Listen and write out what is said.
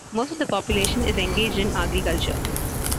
Most of the population is engaged in agriculture.